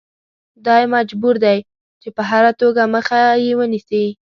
دی مجبور دی چې په هره توګه مخه یې ونیسي.